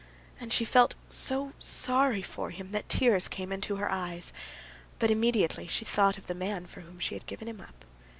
And she felt so sorry for him that tears came into her eyes. But immediately she thought of the man for whom she had given him up.